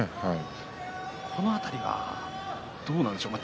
この辺り、どうなんでしょうか